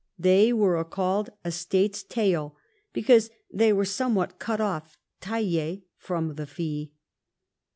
They were called estates tail, because they were some thing "cut off" (/(a//e) from the fee.